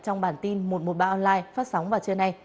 trong bản tin một trăm một mươi ba online phát sóng vào trưa nay